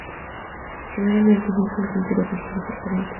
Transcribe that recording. Generalmente muestra un sentido de giro preferente.